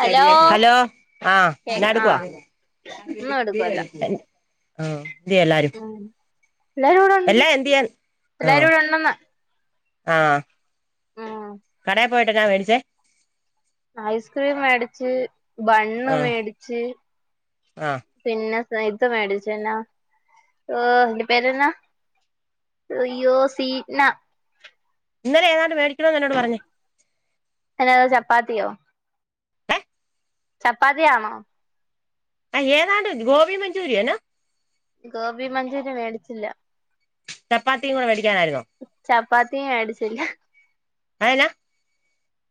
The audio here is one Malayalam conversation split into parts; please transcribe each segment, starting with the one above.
ഹലോ ഹലോ ആഹ് കേ എന്നാ എടുക്കുവ ആഹ് ഒന്നും എടുക്കുവല്ല ആഹ് എന്ത്യേ എല്ലാരും ഉം എല്ലാരും ഇവിടെ ഉണ്ട് എല്ലാ എന്ത്യയെന്ന് ആഹ് എല്ലാരും ഇവിടെ ഉണ്ടെന്ന് ആഹ് ഉം കടയിൽ പോയിട്ടന്നാ മേടിച്ചേ ഐസ്ക്രീം മേടിച്ച് ബണ്ണ് ആഹ് മേടിച്ച് ആഹ് പിന്നെ ഇത് മേടിച്ച എന്നാ ഓ അയ്ന്റെ പേരന്നാ അയ്യോ സീന ഇന്നലെ ഏതാണ്ട് മേടിക്കണന്ന് എന്നോട് പറഞ്ഞ് എന്നതാ ചപ്പാത്തിയോ ഏഹ് ചപ്പാത്തിയാണോ ആ ഏതാണ്ട് ഗോപി മഞ്ചൂരിയൊ എന ഗോപി മഞ്ചൂര്യ മേടിച്ചില്ല ചപ്പാത്തിയും കൂടെ മേടിക്കാനായിരുന്നോ ചപ്പാത്തിയും മേടിച്ചില്ല അ എന്നാ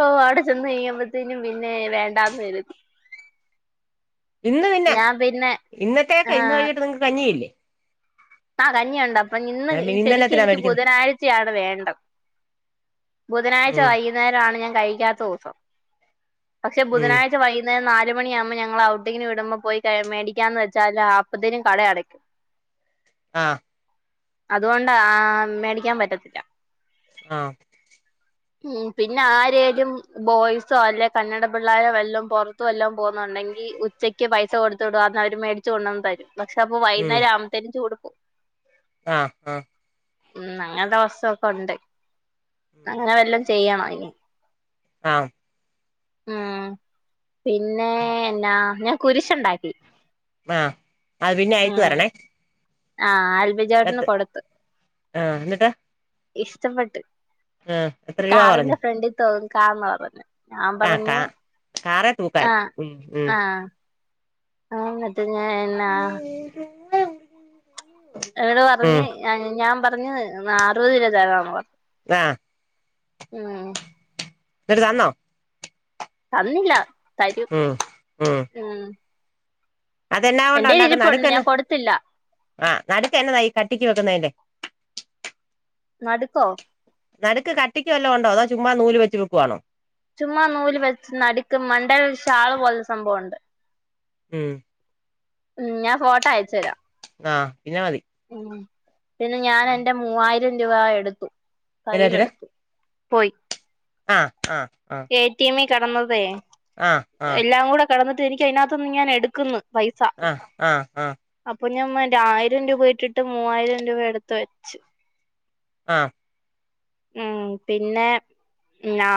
ഓ അവിടെ ചെന്ന് നിന്നപത്തേനും പിന്നെ വേണ്ടാന്നു കരുതി ഇന്ന് പിന്നെ, ഞാൻ പിന്നെ ഇന്നത്തേക് ഇന്ന് വൈകിട്ട് നിങ്ങക്ക് കഞ്ഞിയില്ലേ ആ കഞ്ഞിയുണ്ട് അപ്പൊ ഇന്ന് എന്നാ പിന്നെ ശരിക്കും ഇന്നെന്നാത്തിനാ എനിക്ക് മേടിക്കുന്നെ ബുധനാഴ്ചയാണ് വേണ്ടത് ബുധനാഴ്ച ഉം വൈകുന്നേരാണ് ഞൻ കഴിക്കാത്ത ദിവസം പക്ഷെ ഉം ബുധനാഴ്ച വൈകുന്നേരം നാ ലുമണിയാകുമ്പോ ഞങ്ങളെ ഔട്ടിങ്ങിന് വിടുമ്പോ പോയി മേടിക്കാന്ന് വെച്ചാല് അപ്പത്തിനും കടയടക്കും ആഹ് അതുകൊണ്ട് ആ മേടിക്കാൻ പറ്റത്തില്ല. ആഹ് ഉം പിന്നെ ആരേലും ബോയ്സോ അല്ലെ കന്നട പിള്ളേരോ വല്ലോം പുറത്തും വല്ലോം പോ വുന്നുണ്ടെങ്കി ഉച്ചക്ക് പൈസ കൊടുത്തുവിടും അതവര് മേടിച്ചു കൊണ്ടുവന്ന് തരും, പക്ഷെ അപ്പ ഉം വൈകുന്നേരം ആവുമ്പാതെനും ചൂട് പോവും ആഹ് ആഹ് ഉം അങ്ങനത്തെ ദിവസൊക്കെ ഉണ്ട്. അങ്ങനെ വല്ലം ചെയ്യണംഇനി. ആഹ് ഉം പിന്നെ എന്നാ ഞാൻ കുരിശുണ്ടാക്കി. ആഹ് അത് പിന്നെ അയച്ച് ഉം തരണേ. ആഹ് അ എത്ര ആഹ് എന്നിട്ട് ഇഷ്ടപ്പെട്ട് ആഹ് എത്ര രൂപ പറഞ്ഞു കാറിന്റെ ഫ്രണ്ടി തൂകാന്ന് പറഞ്ഞ്. ഞാൻ ആഹ് കാ പറഞ്ഞ് കാറെ തൂക്കാൻ ആഹ് ഉം ഉം ആഹ് ആഹ് ന്നിട്ട് ഞാൻ എന്ന എന്നോട് പറഞ്ഞ് ഉം ഞാൻ പറഞ് അറുപത് രൂപ തരാന്ന് പറഞ്ഞു. ആഹ് ഉം നട്ട് തന്നോ? തന്നില്ല തരും. ഉം ഉം അത എന്നാ കൊണ്ട എന്റെൽ ഉണ്ടാകുന്നെ ഇരിപ്പുണ്ട് നടുക്കന്ന ഞാൻ കൊടുത്തില്ല ആഹ് നടുക്കന്നതാ ഈ കട്ടിക്ക് വെക്കുന്നതിന നടുക്കോ? നടുക്ക് കട്ടിക്ക് വല്ലാം ഉണ്ടോ അതോ ചുമ്മാ നൂല് വെച്ച് വെക്കുവാണോ? ചുമ്മാ നൂല് വെച്ച് നടുക്ക് മണ്ടേൽ ഷാള് പോല സംഭവണ്ട്. ഉം ഉം ഞാൻ ഫോട്ടോ അയച്ചു തരാം. ആഹ് പിന്നെ മതി. ഉം പിന്നെ ഞാൻ എന്റെ മൂവായിരം രൂപ എടുത്തു. കയ്യിലെടുത്തു. പോയി. ആ ആ ആ എ ടി എമ്മി കെടന്നതേ ആ ആ എല്ലാം കൂടെ കെടന്നിട്ട് എനിക്ക് അയ്നാത്ത്നിന്ന് ഞാൻ എടുക്കുന്നു. ആ ആ ആ അപ്പൊ ഞമ്മന്റ ആയിരം രൂപ ഇട്ടിട്ട് മൂവായിരം രൂപ എടുത്ത് വെച്ചു. ആ ഉം പിന്നെ ഞാ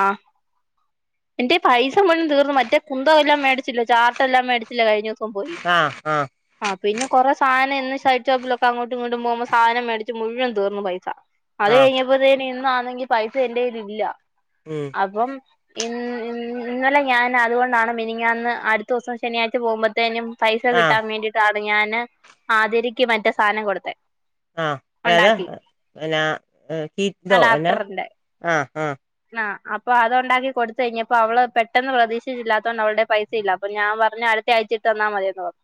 എന്റെ പൈസ മുഴുവൻ തീർന്നു. മറ്റേ കുന്തവും എല്ലാം മേടിച്ചില്ലേ ചാർട്ടെല്ലാം മേടിച്ചില്ലേ കഴിഞ്ഞസം. ആആ പിന്നെ കുറെ സാനം ഇന്ന് സൈഡ് ഷോപ്പിലൊക്ക അങ്ങോട്ടും ഇങ്ങോട്ടും പോകുമ്പോ സാനം മേടിച്ച് മുഴുവ തീർന്നു പൈസ. അത് ആഹ് കഴിഞ്ഞപ്പോത്തന്നെ ഇന്നാണെങ്കി പൈസ എന്റെയ്യിലില്ല ഉം അപ്പം ഇന്ന് ഇന്ന് ഇന്നലെ ഞാൻ അതുകൊണ്ടാണ് മിനിഞ്ഞാന്ന് അടുത്തവസം ശനിയാഴ്ച പോവുമ്പത്തേനും പൈസ ആഹ് കിട്ടാൻ വേണ്ടിട്ടാണ് ഞാന് ആതിരക്ക് മറ്റേ സാനം കൊടുത്തേ. ആ ഏതാ എ പിന്നാ ഏ കീ ഇതോ ആ എന്നാ ലാപ്ടറിന്റെ ആ ആ അപ്പ അതൊണ്ടാക്കി കൊടുത്തഴിഞ്ഞപ്പോ അവള് പെട്ടെന്ന് പ്രതീക്ഷിച്ചില്ലാത്തോണ്ട് അവൾടെ പൈസ ഇല്ല അപ്പ ഞാ പറഞ്ഞ് അടുത്തയാഴ്ച ഇട്ട് തന്നാ മതിയെന്ന് പറഞ്ഞു.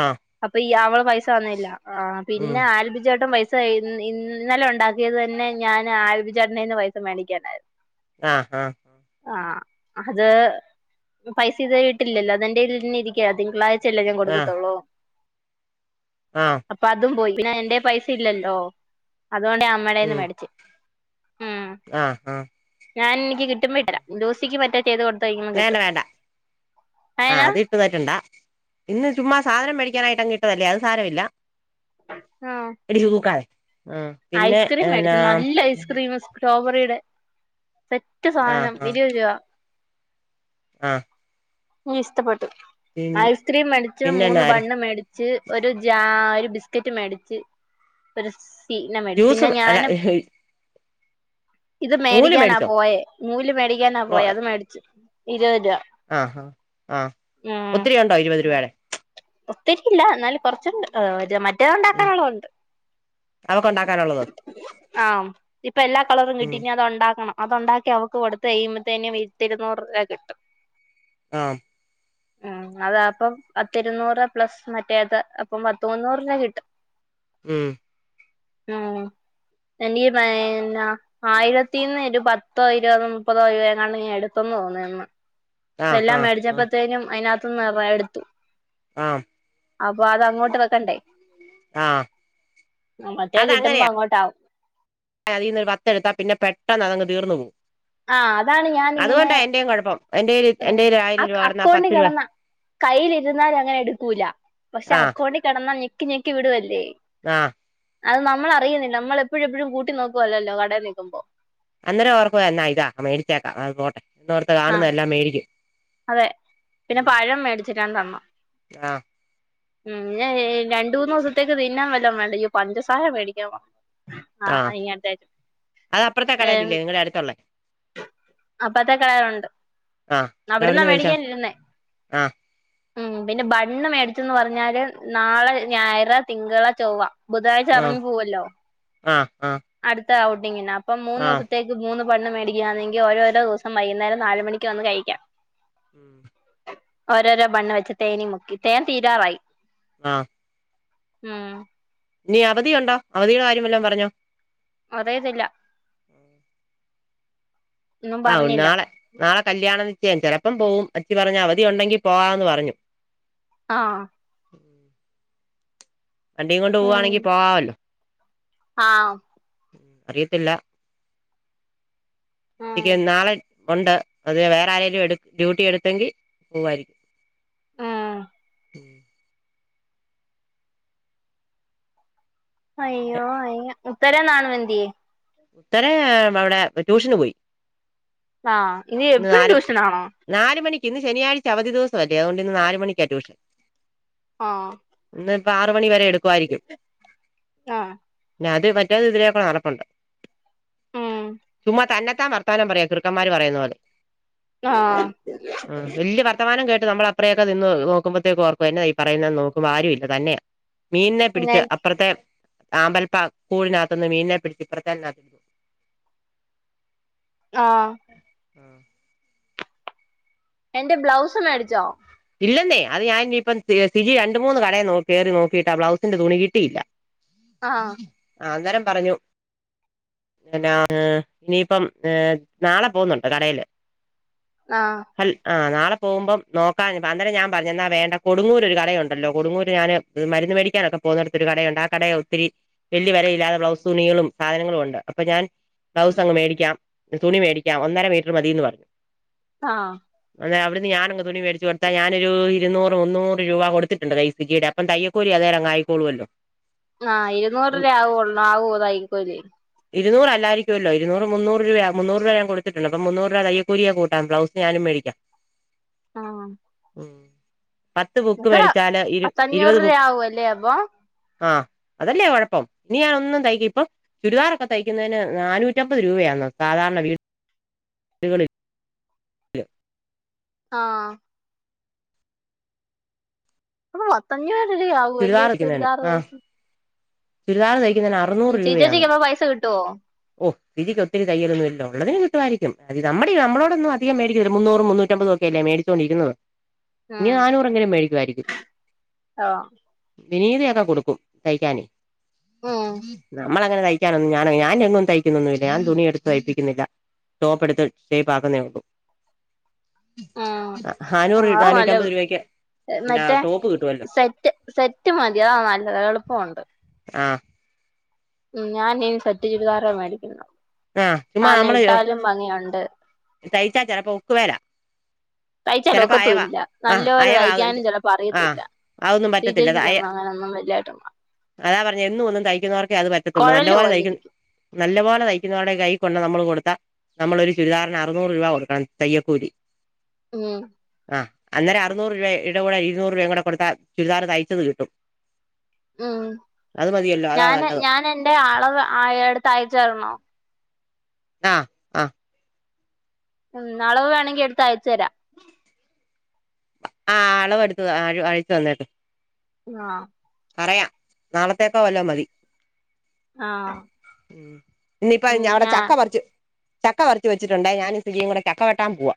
ആഹ് അപ്പ ഈ അവള് പൈസ തന്നില്ല ആ പിന്ന ഉം ആൽബി ചേട്ടൻപൈസ ത്ത ഇന്ന് ഇന്നലെ ഒണ്ടാക്കിയത് തന്നെ ഞാൻ ആൽബി ചേട്ടനിന്ന് പൈസ മേടിക്കാനായിരുന്നു. ആ ആ ആ അത് പൈസ ഇതുവരെ ഇട്ടില്ലല്ലോ അതെന്റെ ഇതിൽ തന്നെ ഇരിക്കയാ തിങ്കളാ ഇല്ലെങ്കി ആഹ് കൊടുക്കത്തൊള്ളൂ ആഹ് അപ്പ അതും പോയി പിന്നെ എന്റെ പൈസ ഇല്ലല്ലോ അതുകൊണ്ട് അമ്മെടെന്ന് ഉം മേടിച്ച് ഉം ആഹ് ആഹ് ഞാൻ എനിക്ക് കിട്ടുമ്പ ഇട്ടരാം ലൂസിക്ക് മറ്റേ ചെയ്ത് കൊടുത്ത് കഴിയുമ്പോ വേണ്ട കിട്ടും വേണ്ട ആ അയനാ അത് ഇട്ടുതരണ്ടാ ഇന്ന് ചുമ്മാ സാധനം മേടി ക്കാനായങ്ങിട്ടതല്ലേ അത് സാരവില്ല ഉം ഇടിച്ചു തൂക്കാതെ ആഹ് പിന്നെ ഐസ്ക്രീം എന്നാ മേടിച്ച് നല്ല ഐസ്ക്രീന് സ് സ്ട്രോബറീടെ സെറ്റ് സാനം ഇരുപത് രുപ ആ ഇഷ്ടപ്പെട്ടു ഐസ്ക്രീം മേടിച്ച് മൂന്ന് പിന്നെന്നാ ബണ്ണും മേടിച്ച് ഒരു ജാ ബിസ്ക്കറ്റും മേടിച്ച് ഒരു സീന മേടിച്ച് ജ്യൂസ് പിന്നെ അല്ല ഞാനും ഇത് നൂല് മേടിക്കാനാ മേടിച്ചോ പോയേ നൂല് മേടിക്കാനാ പോയേ അത് മേടിച്ച്. ഇരുപത്‌രൂ ആ ഹാ ആ ഉം ഒത്തിരി ഒണ്ടോ ഇരുപത് രൂപാടെ ഒത്തിരി ഇല്ല എന്നാലും കൊറച്ചിണ്ട് ഏ ഇത് മറ്റേത് ഉം ഉണ്ടാക്കാനൊള്ള ഒണ്ട് അവക്കുണ്ടാക്കാനുള്ളത് ആം ഇപ്പ എല്ലാ കളറും കിട്ടി ഉം ഇനി അത് ഒണ്ടാക്കണം അത് ഒണ്ടാക്കി അവക്ക് കൊടുത്ത് കയിമ്പത്തേനും പത്തി ഇരുന്നൂറ് രൂപാ കിട്ടും ആം ഉം അതാ അപ്പം പത്തി ഇരുന്നൂറ് പെർ പ്ലസ് മറ്റേത് അപ്പം പത്ത്മുന്നൂറ്‌രൂപാ കിട്ടും ഉം ഊം എനിക്ക് പയിനായിരം രൂപാ ആയിരത്തിന്ന് ഇരുപ പത്തോ ഇരുപതോ മുപ്പതോ രൂപയെങ്ങാണ്ട് നീ എടുത്തെന്നോന്നുന്നു ആഹ് എല്ലാം ആഹ് ആഹ് മേടിച്ചപ്പോത്തേനും അതിനാത്ത് ത്ത് നെറയെ എടുത്തു ആഹ് അപ്പൊ അത് അങ്ങോട്ട് വെക്കണ്ടേ ആഹ് മറ്റേ കിട്ടുമ്പ അങ്ങോട്ടാവും അതീന്ന് പത്തെടുത്താ പിന്നെ പെട്ടെന്ന് അതങ് തീർന്നു പോകും ആ അതുകൊണ്ടാ എന്റെയും കൊഴപ്പം ഉം അക്ക് അക്കോണ്ടി കെടന്നാ കൈയ്യിലിരുന്നാലങ്ങനെ എടുക്കൂല്ല പക്ഷെ അക്കോണ്ടി കെടന്നാ ഞെക്കി ഞെക്കി വിടുവല്ലേ ആ അത് നമ്മള് അറിയുന്നില്ല നമ്മൾ എപ്പഴും എപ്പഴും കൂട്ടി നോക്കുവല്ലല്ലോ കടയിൽ നിൽക്കുമ്പോ അന്നേരം ഉറപ്പ എന്നാ ഇതാ മേടിച്ചേക്കാം അ പോട്ടെ ഇന്നോർത്ത് ആ കാണുന്നത് എല്ലാം മേടിക്കും അതെ പിന്നെ ഉം പഴം മേടിച്ചിട്ട് തന്നമ്മ ആഹ് ഉം രണ്ട് മൂന്ന് ദിവസത്തേക്ക് തിന്നാൻ വെല്ലോം വേണ്ടേ ഇയ്യോ പഞ്ചസാരംമേടിക്കാൻ മറന്നു ആഹ് അതിങ്ങോട്ടച്ചു അത് അപ്പുറത്തെ ഏ കടയിലില്ലേ നിങ്ങളുടെ അടുത്തുള്ളേ അപ്പത്ത കിണണുണ്ട് ആഹ് അവിടുന്നാ അതവിടുന്ന് മേടിച്ചോ മേടിക്കാനിരുന്നേ ആഹ് ഉം പിന്നെ ബണ്ണ് മേടിച്ചന്ന് പറഞ്ഞാല് നാളെ ഞായറ തിങ്കള ചൊവ്വ ബുധനാഴ്ച ആഹ് ഇറങ്ങി പോവല്ലോ ആഹ് ആഹ് അടുത്ത ഔട്ടിങ്ങിന് അപ്പം മൂന്ന് ആഹ് ദിവസത്തേക്ക് മൂന്ന് ബണ്ണ് മേടിക്കുകയാെങ്കി ഓരോരോ ദിവസം വൈകുന്നരം നാലുമണിക്ക് വന്ന് കഴിക്കാം ഉം [inaudible] ഓരോരോ ബണ്ണ് വെച്ച് തേനി മുക്കി തേൻ തീരാറായി ആ ഉം ഇനി അവധിയുണ്ടോ അവധിയുടെ കാര്യം വല്ലോം പറഞ്ഞോ അറിയത്തില്ല ഒന്നും ആ പറഞ്ഞില്ല നാളെ നാളെ കല്യാണം നിച്ചയം ചെലപ്പം പോവും അച്ചി പറഞ്ഞു അവധി ഉണ്ടെങ്കി പോവാന്ന് പറഞ്ഞു ആ വണ്ടിയും കൊണ്ട് പോവാണെങ്കിൽ പോവാമല്ലോ ആ അറിയത്തില്ല ഉം എനിക്ക് നാളെ ഉണ്ട് അത് വേറെ ആരേലും എടു ഡ്യൂട്ടി എടുത്തെങ്കി പോവാരിക്കും ഉം ഉം പിന്നെ അയ്യോ അയ്യ ഉത്തരം നാണ് വെന്തിയേ ഉത്തര അവിടെ ട്യൂഷന് പോയി ആ ഇനി ഇന്ന് എപ്പിഴും നാല് ട്യൂഷൻ ആണോ നാല് മണിക്ക് ഇന്ന് ശനിയാഴ്ച അവധി ദിവസം അല്ലേ അതുകൊണ്ട് ഇന്ന് നാല് മണിക്കാ ട്യൂഷൻ ആ ഇന്ന് ഇപ്പ ആറ് മണി വരെ എടുക്കുവാരിക്കും ആഹ് പിന്നത് മറ്റേത് ഇതിലേക്കെ നടപ്പുണ്ട് ഉം ചുമ്മാ തന്നെത്താൻ വർത്തമാനം പറയാ ചെ റുക്കന്മാര് പറയുന്ന പോലെ ആഹ് ആ വല്യ വർത്തമാനം കേ നമ്മൾ അത്രയൊക്കെ നിന്ന് നോക്കുമ്പോത്തേക്കും ഓർക്കും എന്ന ഈ പറയുന്നത് നോക്കുമ്പോ ആരും ഇല്ല തന്നെയാ മീനിനെ പിന്നെ പിടിച്ച് അപ്പുറത്തെ ആമ്പൽപ്പ കൂടിനകത്തുന്ന് മീനിനെ പിടിച്ച് ഇപ്പറ [unintelligible] ആ ആ എന്റെ ബ്ലൗസ് മേടിച്ചോ ഇല്ലന്നേ അത് ഞാനിനി ഇപ്പം തി തിജി രണ്ട് മൂന്ന് കടയിൽ കയറി നോക്കിയിട്ട് ആ ബ്ലൗസിന്റെ തുണി കിട്ടില്ല ആഹ് പറഞ്ഞു പിന്നാന്ന് ഇനിയിപ്പം ഏ നാളെ പോകുന്നുണ്ട് കടയില് ആഹ് അൽ ആ നാ പോകുമ്പം നോക്കാന് അന്നേരം ഞാൻ പറഞ്ഞ് എന്നാ വേണ്ട കൊടുങ്ങൂരു ഒരു കടയുണ്ടല്ലോ കൊടുങ്ങൂര് ഞാന് മരുന്ന് മേടിക്കാനൊക്കെ പോകുന്നിടത്തൊരു കടയുണ്ട് ആ കടയാ ഒത്തിരി വല്യ വിലയില്ലാതെ ബ്ലൗസ് തുണികളും സാധനങ്ങളും ഉണ്ട് അപ്പൊ ഞാൻ ബ്ലൗസ് അങ്ങ് മേടിക്കാം തുണി മേടിക്കാം ഒന്നര മീറ്റർ മതീന്ന് പറഞ്ഞു ആ ഞാനങ് തുണി മേടിച്ച് കൊടുത്താ ഞാനൊരു ഇരുന്നൂറ് മുന്നൂറ് രൂപ കൊടുത്തിട്ടുണ്ട് തൈപ്പിച്ച് ഇടാൻ അപ്പം തയ്യൽക്കൂലി അതെലങ്ങായി ക്കോളുമല്ലോ ആാ ഇരുന്നൂറ് രൂവാ ആാവോ ഒള്ളോ ആവു തെയ്യാക്കൂലി ഇര്ന്നൂറ് അല്ലാരിക്കുല്ലോ ഇരൂറ് മുന്നോറ് രൂപ ആവും മുന്നൂറ് രൂപ കൊടുത്തുട്ട്ണ്ട് അപ്പം മൂന്നറ് രൂപ തെയ്യാ കൂലി ആ കൂട്ടാം ബ്ലസിന് ഞാനും മേ ആാ പത്ത് ബുക്ക് മേടിച്ചാല് ഇരു ഇരുപത് പത്തഞ്ഞൂറ് രൂപ ബുക്ക് ആവുവല്ലേ അപ്പൊ ആാ അതോല്ലേ കൊഴപ്പം ഇനി ഞാൻ ഒന്നും തെയ്യ്ക്ക് ഇപ്പം ചുരിദാറൊക്കെ തെയ്യ്ക്കന്നൊന് നാണുറ്റാമ്പത് രൂപയാന്ന് ക സാധാരണ വീട് വീട്കളി ആാ അപ്പോ പത്ത് അഞ്ചൂറ് രൂവാ ആവു അല്ലേ ഒര് ചുര്ദാർ തെ ചുരിദാറ് തെയ്ക്ക്ന്നോന് ആറുന്നൂറ് രൂപയാണ് ചേച്ചിക്ക് അപ്പൊ പൈസ കിട്ടുവോ ഓ [unintelligible] ക്ക് ഒത്തിരി തയ്യൊല്ലോന്നു ഇല്ലാ ഒള്ളതിന് കിട്ടു ആരിക്കും അത് നമ്മടെ നമ്മളോടൊന്നും അധികം മോടിക്കാത്തിലമോടിക്കാത്തില്ലാ മുന്നൂറ് മുന്നൂറ്റമ്പാതൊക്കെല്ലേ മേടിച്ചൊണ്ടിരിന്നത് ഇനി ഉം നാണുറയെങ്കിലും മേടിക്കും അയിരിക്കും ആഹ് വിനീതിയാക്കെ കൊടുക്കും തെയ്ക്കാനോ ഉം നമ്മളെ അങ്ങന തെയ്യക്കാനൊന്നും ഞാന ഞാനെങ്ങും തെയ്ക്കോന്നില്ലാ ഞാൻ തുണി എട്ത്ത് തെയ്യ്പ്പിക്കിന്നില്ലാ ടോപ്പ് എടുത്ത് ഷേപ്പ് ആക്ക്ന്നേ ഒള്ളൂ ഉം നാനൂറ് ആഹ് നല്ല നാനൂറ്റാഅമ്പത് രൂപക്ക് മറ്റേ സെറ്റ് സെറ്റ് മതി അതാ നല്ല എള്പ്പോണ്ട് ആാ ഉം [unintelligible] സെറ്റ് ചുരിദാറാ മേടിക്ക്ന്നോ ആാ ചുമ്മാ നമ്മള് തെയ്ച്ചാ ചെലപ്പോ ഒക്ക് വേലാ തയ്ച്ചാൽ ചെലപ്പോ അയവ ഒക്കത്തുല്ല ആാ നല്ലപോലെ അയവാകം തയ്ക്കാനും ചിലപ്പോ ആാ അറിയത്തില്ല ആതോന്നും ശ്രീ പറ്റത്തില്ലാ അയാ ചേച്ചിക്കൊന്നും അങ്ങനൊന്നും വലുതായിട്ട് അതാ പറ എന്നോന്നും തെയ്യക്ക്ന്നാവർക്കേ അത് പറ്റാത്തോള്ളൂ കുഴല് നല്ലാപോലെ തെയ്യക്കുന്നിവർക്കോ പോലിരിക്കും നല്ല പോലെ തെയ്യ് നല്ലാ പോലെ തെയ് ന്നാടെ കൈ കൊണ്ട് നമ്മള് കൊട്ത്താ നമ്മള് ഒര് ചുരിദാറിന് ആറ്നൂറ് രൂപ കൊടുക്കണം തെയ്യാക്കൂലി ഉം ആാ അന്നോരം ആറ്ന്നൂറ് രൂപ ഇടെ കൂടെ ഇരുന്നൂറ് രൂടോയും കൂടെ കൊടുത്താ ചുരിദാർ തെയ്യാച്ചത് കിട്ടും ഉം അത് മതിയല്ലോ അതാ ഞാന് നല്ലത് ഞാന് ആാ ആാ ഉം അളവ് വേണമെങ്കി എട്ത്ത് അയച്ച് തേരം [unintelligible] ആാ പറയാം നാളാത്തേക്കോ വല്ലോം മതി ആഹ് ഉം ഇന്നയിപ്പോ ഉം അവടെ ഞാ ചക്ക പറിച്ച് ചക്ക പറത്തിച്ച് വെച്ചിട്ടേണ്ടോ ഞാനും [unintelligible] കൂടെ ചക്ക വെട്ടാൻ പോവാ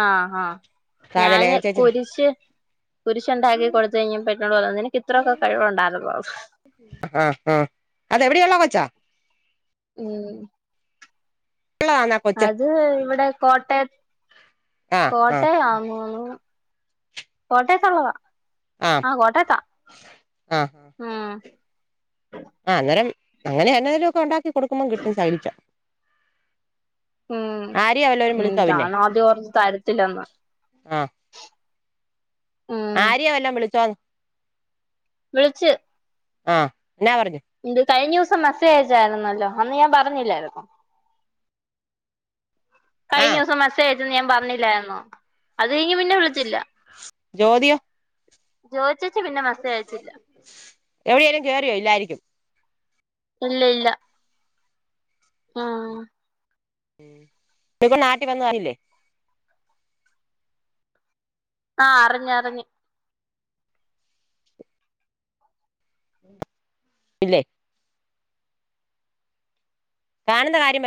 ആാ ആാ താഴെ ഞാന് ലേയ ചേച്ചി കുരിശ് കുരിശ് ഒണ്ടാക്കി കൊടുത്ത് കഴിഞ്ഞേപ്പോ എന്നോട് പറയുവാ നിനക്ക് ഇത്രയക്കെ കഴിവോണ്ടാര്ന്നോ ആാ ആാ അത് എവടെ ഒള്ളാ കൊച്ചാ ഉം ഉള്ളതാന്നാ കൊച്ച് അത് ഇവടെ കോട്ടയ ആഹ് ആഹ് കോട്ടയം ആന്ന് തേന്ന് കോട്ടയാത്ത് ഒള്ളാതാ ആഹ് ആാ കോട്ടയാത്താ ഉം ആ അന്നേരം അങ്ങനെ എന്നെലും ഒക്കെ ഒണ്ടാക്കി കൊടുക്കുമ്പോം കിട്ടും ശാകലിച്ചാ ഉം ഉം ഞാന് ആദ്യം ഓർത്ത് തരെത്തില്ലന്ന് ആര്യാ വല്ലാം വിളിച്ചോ വിളിച്ച് ആാ എന്നാ പറഞ്ഞ് കയിഞ്ഞ ദെവസം മെസ്സേജ് അയച്ചായിര്ന്നാല്ലോ അന്ന് ഞാൻ പറഞ്ഞില്ലാരന്നോ ആഹ് കഴിഞ്ഞോസം മെസ്സേജ് അയച്ചെ ന്ന് ഞാൻ പറഞ്ഞില്ലായിന്നോ അത് കയിഞ്ഞ് പിന്നെ വിളിച്ചില്ല ജോതി യോ ജോജ് [unintelligible] എവിടൊലും കേറിയോ ഇല്ലായിരിക്കും ഇല്ല ഇല്ല മ്മ് [unintelligible] നാട്ടിൽ. വന്നയില്ലേ ആഹ് അറിഞ്ഞ് അറിഞ്ഞ് ഇല്ലേ കാണുന്ന കാര്യം